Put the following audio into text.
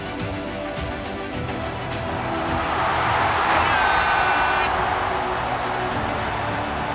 トライ！